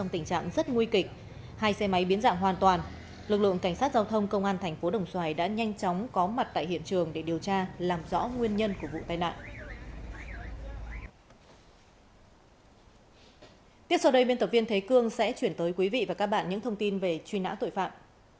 tiếp sau đây biên tập viên thế cương sẽ chuyển tới quý vị và các bạn những thông tin về truy nã tội phạm